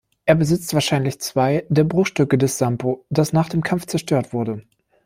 Er besitzt wahrscheinlich zwei der Bruchstücke des Sampo, das nach einem Kampf zerstört wurde.